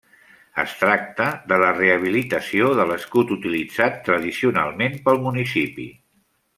Es tracta de la rehabilitació de l'escut utilitzat tradicionalment pel municipi.